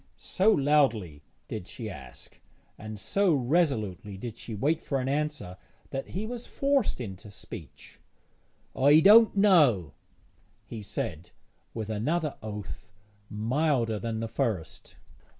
So loudly did she ask, and so resolutely did she wait for an answer, that he was forced into speech. 'I don't know,' he said, with another oath, milder than the first.